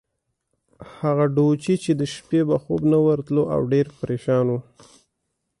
هغه ډوچي چې د شپې به خوب نه ورتلو، او ډېر پرېشان وو.